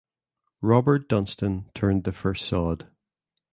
Robert Dunstan turned the first sod.